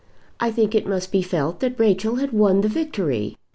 I think it must be felt that Rachel had won the victory.